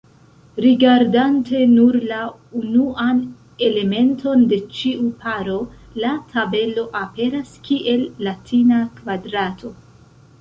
Rigardante nur la unuan elementon de ĉiu paro, la tabelo aperas kiel latina kvadrato.